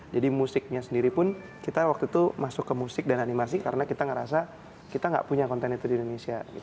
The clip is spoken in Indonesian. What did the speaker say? musiknya sendiri pun kita waktu itu masuk ke musik dan animasi karena kita ngerasa kita gak punya konten itu di indonesia